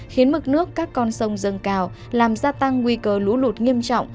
khiến mực nước các con sông dâng cao làm gia tăng nguy cơ lũ lụt nghiêm trọng